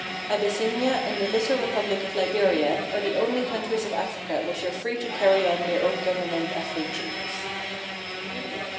Abyssinia and the little Republic of Liberia are the only countries of Africa which are free to carry on their own gov ernment as they choose.